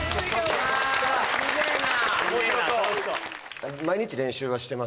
すげえな！